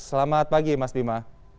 selamat pagi mas bima